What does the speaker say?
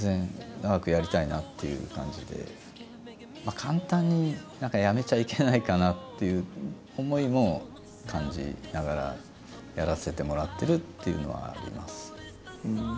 簡単にやめちゃいけないかなっていう思いも感じながらやらせてもらってるっていうのはあります。